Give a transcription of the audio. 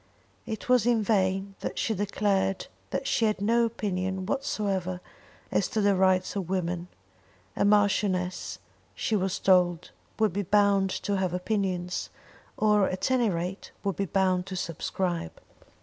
It was in vain that she declared that she had no opinion whatsoever as to the rights of women; a marchioness she was told would be bound to have opinions, or, at any rate, would be bound to subscribe.